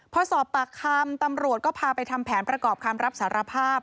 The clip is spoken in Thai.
พอสอบปากคำตำรวจก็พาไปทำแผนประกอบคำรับสารภาพ